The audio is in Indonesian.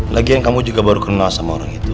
lagian kamu juga baru kenal sama orang itu